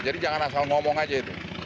jangan asal ngomong aja itu